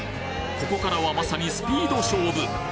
ここからはまさにスピード勝負。